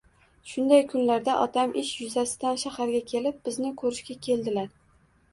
Shunday kunlarda otam ish yuzasidan shaharga kelib, bizni ko`rishga keldilar